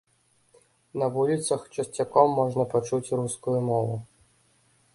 На вуліцах часцяком можна пачуць рускую мову.